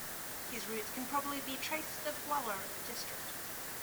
His roots can probably be traced to the Gwalior district.